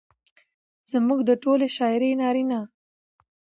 زموږ د ټولې شاعرۍ نارينه